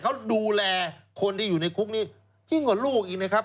เขาดูแลคนที่อยู่ในคุกนี้ยิ่งกว่าลูกอีกนะครับ